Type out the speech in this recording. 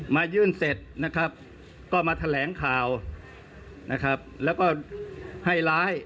มายื่นเสร็จก็มาแถลงข่าวและให้ร้าย